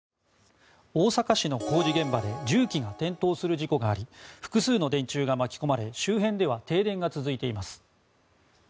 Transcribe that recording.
大阪市の工事現場で重機が転倒する事故があり複数の電柱が巻き込まれ周辺では停電が続いています。